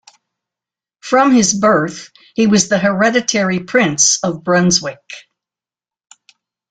From his birth, he was the "Hereditary Prince of Brunswick".